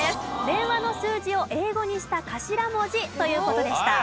電話の数字を英語にした頭文字という事でした。